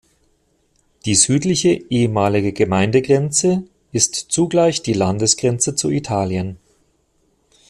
Die südliche ehemalige Gemeindegrenze ist zugleich die Landesgrenze zu Italien.